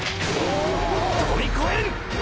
飛びこえる！！